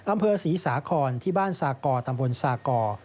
อำเภอศรีสาครที่บ้านซากอตำบลสากอ